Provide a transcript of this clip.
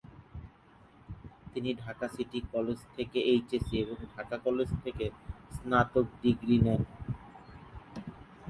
তিনি Dhaka city college থেকে HSC এবং ঢাকা কলেজ থেকে স্নাতক ডিগ্রি নেন।